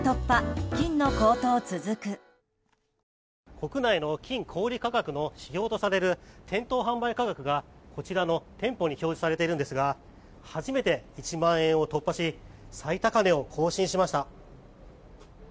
国内の金の小売価格の指標とされる店頭販売価格がこちらの店舗に表示されているんですが初めて１万円を突破し最高値を更新しました。